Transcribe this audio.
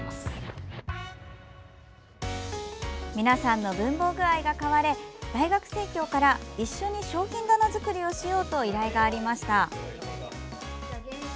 皆さんの文房具愛が買われ大学生協から一緒に商品棚作りをしようと依頼がありました。